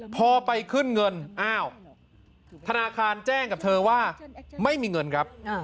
พอไปขึ้นเงินอ้าวธนาคารแจ้งกับเธอว่าไม่มีเงินครับ